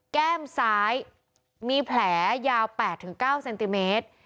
แก้มซ้ายมีแผลยาว๘๙เซนติเมตร